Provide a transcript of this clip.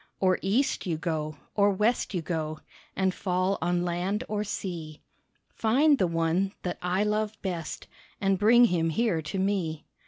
Or East you go, or West you go And fall on land or sea, Find the one that I love best And bring him here to me.